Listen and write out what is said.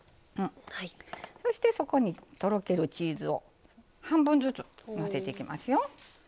そしてそこにとろけるチーズを半分ずつのせていきますよ。